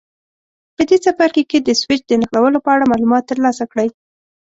په دې څپرکي کې د سویچ د نښلولو په اړه معلومات ترلاسه کړئ.